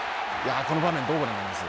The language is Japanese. この場面、どうご覧になります？